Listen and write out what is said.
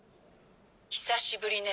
久しぶりね